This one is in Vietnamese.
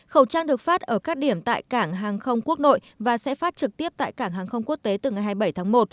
khẩu trang được phát ở các điểm tại cảng hàng không quốc nội và sẽ phát trực tiếp tại cảng hàng không quốc tế từ ngày hai mươi bảy tháng một